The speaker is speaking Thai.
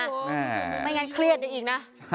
ไม่งั้นเครียดได้อีกนะ